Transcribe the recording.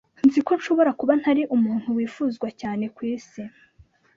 Nzi ko nshobora kuba ntari umuntu wifuzwa cyane kwisi